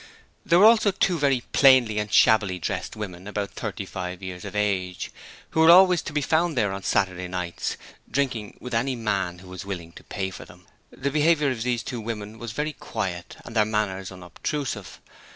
There were also two very plainly and shabbily dressed women about thirty five years of age, who were always to be found there on Saturday nights, drinking with any man who was willing to pay for them. The behaviour of these two women was very quiet and their manners unobtrusive.